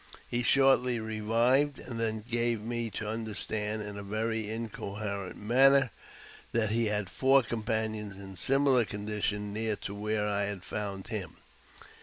He shortly revived, and then gave me to understand, in a very in coherent manner, that he had four companions in a similar condition near to where I had found him.